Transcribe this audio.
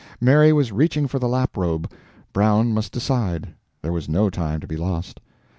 Mary was reaching for the lap robe; Brown must decide there was no time to be lost.